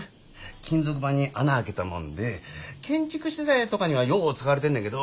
金属板に孔開けたもんで建築資材とかにはよう使われてんねんけど。